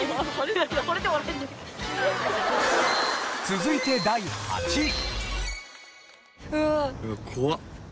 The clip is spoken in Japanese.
続いて第８位。